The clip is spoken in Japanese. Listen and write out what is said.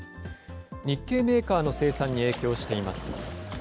日系メーカーの生産に影響しています。